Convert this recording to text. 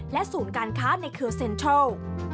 ศูนย์การค้าในเคอร์เซ็นทรัล